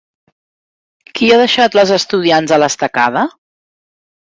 Qui ha deixat les estudiants a l'estacada?